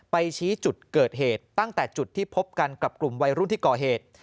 ชี้จุดเกิดเหตุตั้งแต่จุดที่พบกันกับกลุ่มวัยรุ่นที่ก่อเหตุ